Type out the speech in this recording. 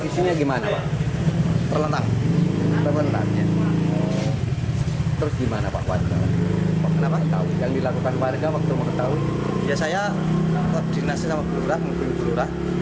saya di dinasih sama berurah menghubungi berurah